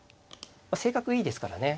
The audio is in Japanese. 性格いいですからね。